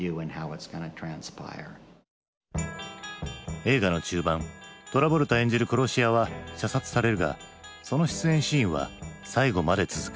映画の中盤トラボルタ演じる殺し屋は射殺されるがその出演シーンは最後まで続く。